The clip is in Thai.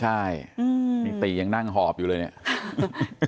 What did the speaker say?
ใช่นิติยังนั่งหอบอยู่เลยเนี่ย